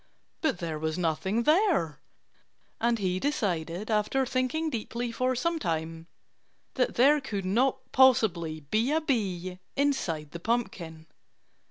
But there was nothing there. And he decided, after thinking deeply for some time, that there could not possibly be a bee inside the pumpkin.